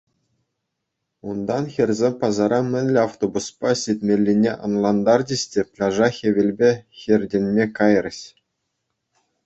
Унтан хӗрсем пасара мӗнле автобуспа ҫитмеллине ӑнлантарчӗҫ те пляжа хӗвелпе хӗртӗнме кайрӗҫ.